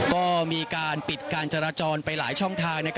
ก็มีการปิดการจราจรไปหลายช่องทาง